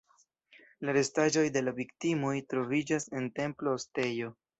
La restaĵoj de la viktimoj troviĝas en templo-ostejo.